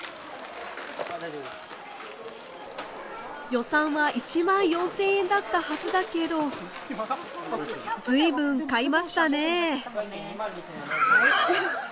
予算は１万４，０００円だったはずだけど随分買いましたねえ。